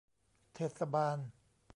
เทศบาล